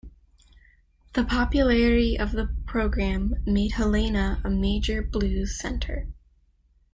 The popularity of the program made Helena a major blues center.